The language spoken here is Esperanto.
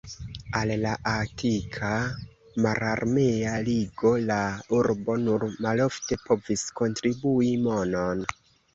Al la Atika Mararmea Ligo la urbo nur malofte povis kontribui monon.